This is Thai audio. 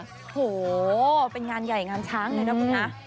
โอ้โหเป็นงานใหญ่งานช้างเลยนะคุณนะ